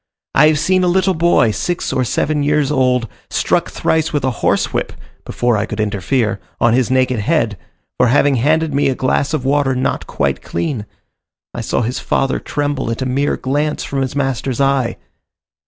I have seen a little boy, six or seven years old, struck thrice with a horse whip (before I could interfere) on his naked head, for having handed me a glass of water not quite clean; I saw his father tremble at a mere glance from his master's eye.